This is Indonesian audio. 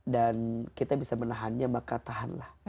dan kita bisa menahannya maka tahanlah